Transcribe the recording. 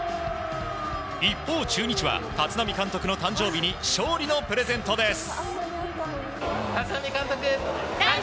一方、中日は立浪監督の誕生日に勝利のプレゼントです！